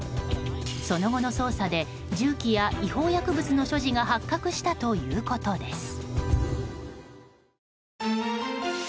その後の捜査で銃器や違法薬物の所持が発覚したということです。